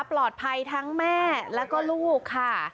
ปลอดภัยทั้งแม่แล้วก็ลูกค่ะ